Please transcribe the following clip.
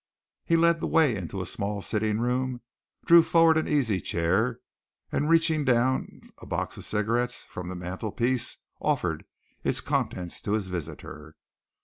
He led the way into a small sitting room, drew forward an easy chair, and reaching down a box of cigarettes from the mantelpiece offered its contents to his visitor.